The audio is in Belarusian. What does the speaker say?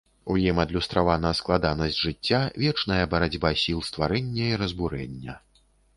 У ім адлюстравана складанасць жыцця, вечная барацьба сіл стварэння і разбурэння.